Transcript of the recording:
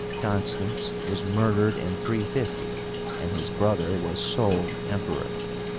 Constans was murdered in 350, and his brother was sole Emperor.